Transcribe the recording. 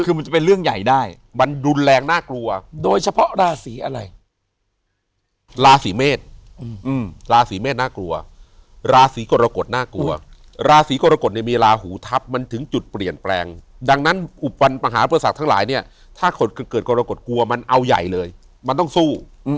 คือมันจะเป็นเรื่องใหญ่ได้มันรุนแรงน่ากลัวโดยเฉพาะราศีอะไรราศีเมษราศีเมษน่ากลัวราศีกรกฎน่ากลัวราศีกรกฎเนี่ยมีลาหูทัพมันถึงจุดเปลี่ยนแปลงดังนั้นอุปมหาประสาททั้งหลายเนี่ยถ้าเกิดเกิดกรกฎกลัวมันเอาใหญ่เลยมันต้องสู้